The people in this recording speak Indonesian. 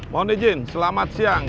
mohon izin selamat siang